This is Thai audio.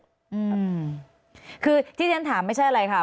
อืมคือที่ฉันถามไม่ใช่อะไรค่ะ